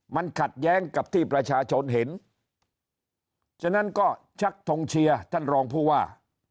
มันขัดแย้งกับที่ประชาชนเห็นฉะนั้นก็ชักทงเชียร์ท่านรองผู้ว่า